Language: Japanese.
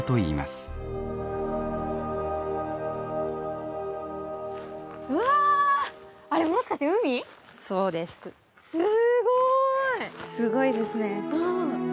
すごいですね。